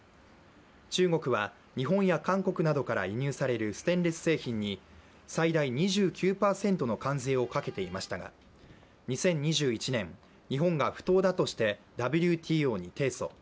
中国は日本や韓国などから輸入されるステンレス製品に最大２９％の関税をかけていましたが、２０２１年、日本が不当だとしてＷＴＯに提訴。